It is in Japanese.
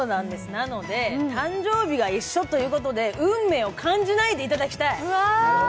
なので誕生日が一緒ということで運命を感じないでいただきたい！